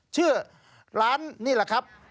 ชื่อร้านนี่แหละครับ